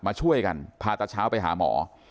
มาช่วยกันพาตาเช้าไปหาหมอ